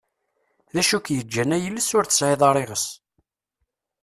D acu i k-yeĝĝan ay iles ur tesεiḍ ara iɣes?